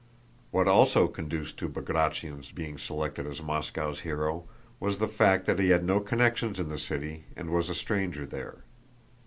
What also conduced to Bagratión's being selected as Moscow's hero was the fact that he had no connections in the city and was a stranger there.